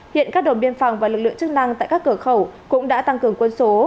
hiện các đồn biên phòng và lực lượng chức năng tại các cửa khẩu cũng đã tăng cường quân số